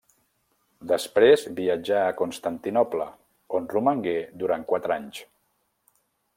Després viatjà a Constantinoble, on romangué durant quatre anys.